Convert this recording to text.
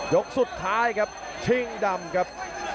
ยกสุดท้ายครับชิงดำครับ